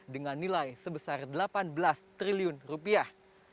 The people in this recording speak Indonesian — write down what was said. dengan nilai sebesar delapan belas triliun rupiah